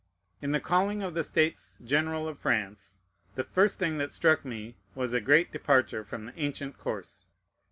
In the calling of the States General of France, the first thing that struck me was a great departure from the ancient course.